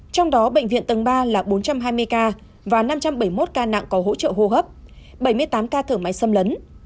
trong đó bệnh viện tầng ba là bốn trăm hai mươi ca và năm trăm bảy mươi một ca nặng có hỗ trợ hô hấp bảy mươi tám ca thở máy xâm lấn